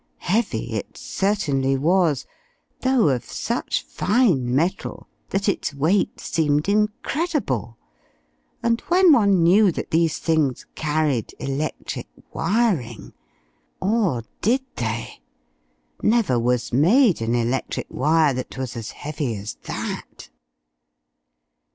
Heavy it certainly was, though of such fine metal that its weight seemed incredible. And when one knew that these things carried electric wiring.... Or did they?... Never was made an electric wire that was as heavy as that.